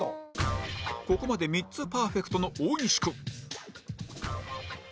ここまで３つパーフェクトの大西君